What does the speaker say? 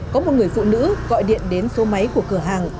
có một người phụ nữ gọi điện đến số máy của cửa hàng